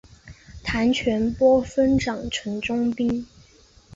谭全播分掌城中兵。